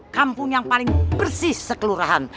kampung yang paling bersih sekelurahan